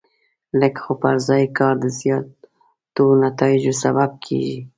لږ خو پر ځای کار د زیاتو نتایجو سبب کېږي.